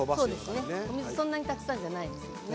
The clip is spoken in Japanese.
そんなにたくさんじゃないですよね。